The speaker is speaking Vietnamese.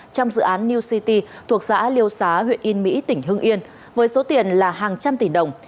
trong dự án new city thuộc xã liêu xá huyện yên mỹ tỉnh hưng yên với số tiền là hàng trăm tỷ đồng